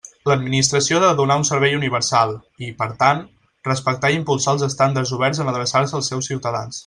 L'administració ha de donar un servei universal i, per tant, respectar i impulsar els estàndards oberts en adreçar-se als seus ciutadans.